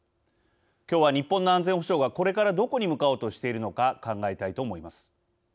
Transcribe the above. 今日は日本の安全保障がこれからどこに向かおうとしているのか考えたいと思います。